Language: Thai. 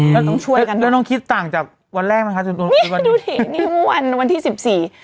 เราต้องช่วยกันด้วยต้องคิดต่างจากวันแรกไหมคะจำนวนนี้ดูสินี่เมื่อวันวันที่สิบสี่